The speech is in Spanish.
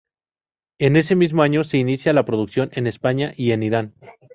En este mismo año se inicia la producción en España y en Irán.